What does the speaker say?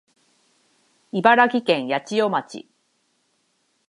茨城県八千代町